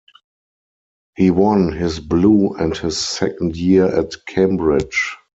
He won his blue in his second year at Cambridge.